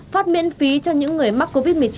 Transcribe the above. phát miễn phí cho những người mắc covid một mươi chín